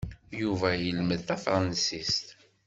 Yuba ilmed tafṛansist.